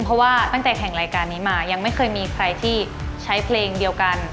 เพราะว่าตั้งแต่แข่งรายการนี้มายังไม่เคยมีใครที่ใช้เพลงเดียวกัน